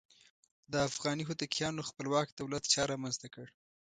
د افغاني هوتکیانو خپلواک دولت چا رامنځته کړ؟